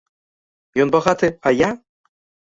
Ён багаты, а я?